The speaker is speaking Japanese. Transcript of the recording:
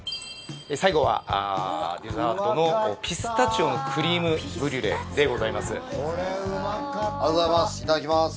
最後は、デザートのピスタチオのクリームブリュレでございます。